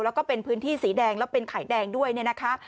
แล้วก็เป็นพื้นที่สีแดงแล้วเป็นไข่แดงด้วยเนี่ยนะคะ